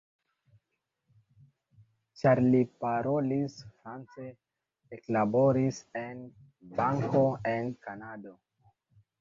Ĉar li parolis france, eklaboris en banko, en Kanado.